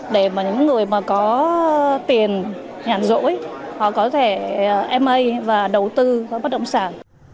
để những người có tiền nhàn rỗi họ có thể ma và đầu tư bất động sản